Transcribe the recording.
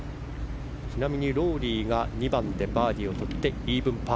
ちなみに、ロウリーが２番でバーディーをとってイーブンパー。